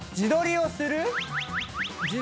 自撮りをする。